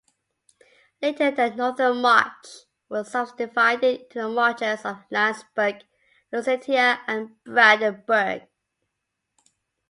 Later the Northern March was subdivided into the marches of Landsberg, Lusatia, and Brandenburg.